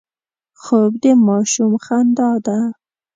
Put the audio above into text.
خوب د ماشوم خندا ده